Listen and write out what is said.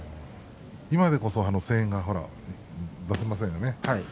今でこそ声援が出せませんよね。